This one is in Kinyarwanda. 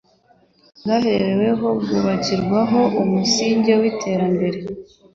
bwahereweho bwubakirwaho umusingi w'iterambere